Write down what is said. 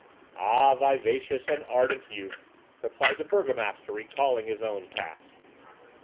"Ah, vivacious and ardent youth!" replied the burgomaster, recalling his own past.